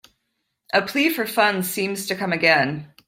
A plea for funds seems to come again.